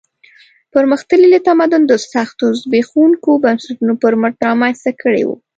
پرمختللی تمدن د سختو زبېښونکو بنسټونو پر مټ رامنځته کړی و.